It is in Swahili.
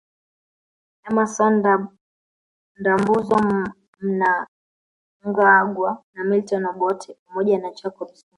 Emmason Ndambuzo Mnangagwa na Milton Obote pamoja na Jacob Zuma